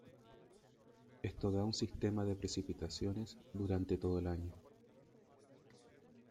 Esto da un sistema de precipitaciones durante todo el año.